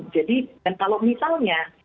jadi dan kalau misalnya